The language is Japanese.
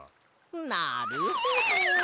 なるほど！